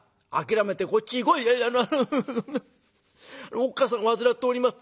おっ母さん患っております。